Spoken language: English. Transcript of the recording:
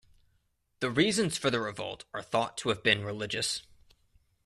The reasons for the revolt are thought to have been religious.